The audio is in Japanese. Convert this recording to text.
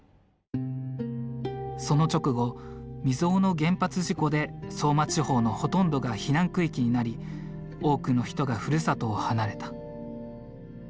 その直後未曽有の原発事故で相馬地方のほとんどが避難区域になり多くの人がふるさとを離れた。